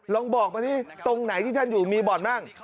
ลองบอกมาดิตรงไหนที่ท่านอยู่มีบ่อนบ้าง